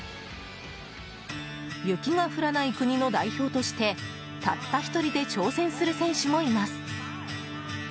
雪が降らない国の代表としてたった１人で挑戦する選手もいます。